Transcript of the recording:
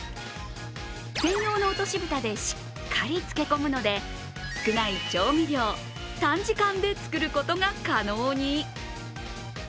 専用の落とし蓋でしっかり漬け込むので、少ない調味料、短時間で作ることが可能に。